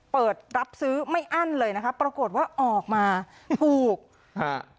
เปิดรับซื้อไม่อั้นเลยนะคะปรากฏว่าออกมาถูกฮะ